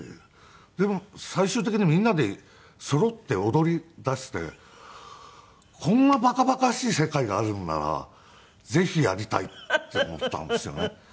でも最終的にみんなでそろって踊りだしてこんな馬鹿馬鹿しい世界があるんならぜひやりたいって思ったんですよね。